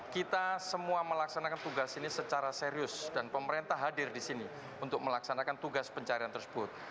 kita semua melaksanakan tugas ini secara serius dan pemerintah hadir di sini untuk melaksanakan tugas pencarian tersebut